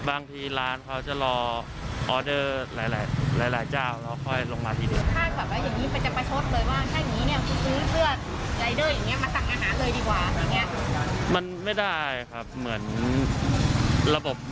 บางทีร้านเขาจะรอออเดอร์หลายลายและกราว